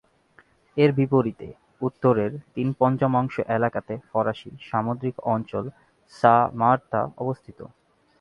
এর বিপরীতে উত্তরের তিন-পঞ্চমাংশ এলাকাতে ফরাসি সামুদ্রিক অঞ্চল সাঁ-মারতাঁ অবস্থিত।